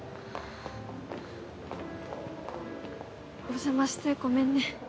お邪魔してごめんね。